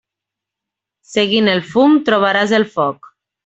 Seguint el fum trobaràs el foc.